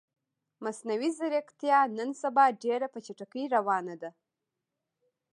مصنوعی ځیرکتیا نن سبا ډیره په چټکې روانه ده